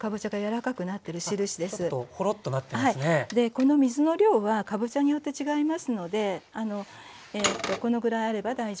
この水の量はかぼちゃによって違いますのでこのぐらいあれば大丈夫です。